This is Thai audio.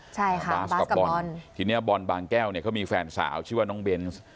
ใช่ค่ะบาสกับบอลทีเนี้ยบอลบางแก้วเนี่ยเขามีแฟนสาวชื่อว่าน้องเบนส์